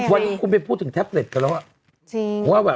วันนี้คุณไปพูดถึงแท็บเล็ตกันแล้ว